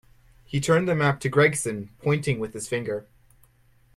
He turned the map to Gregson, pointing with his finger.